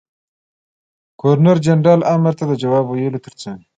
ګورنر جنرال امر ته د جواب ویلو تر څنګ.